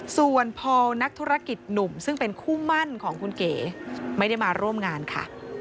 ส่วนพอนักธุรกิจหนุ่มซึ่งเป็นคู่มั่นของคุณเก๋ไม่ได้มาร่วมงานค่ะ